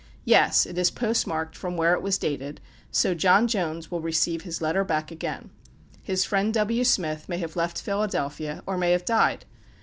Yes, it is post marked from where it was dated; so, "John Jones" will receive his letter back again: his friend, "W. Smith," may have left Philadelphia, or may have died.